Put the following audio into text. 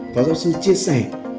và giáo sư chia sẻ